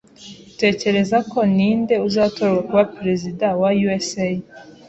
Utekereza ko ninde uzatorwa kuba perezida wa USA?